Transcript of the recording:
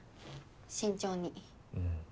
慎重に。